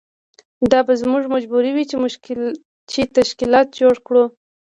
دا به زموږ مجبوري وي چې تشکیلات جوړ کړو.